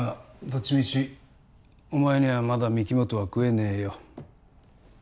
どっちみちお前にはまだ御木本は喰えねえよ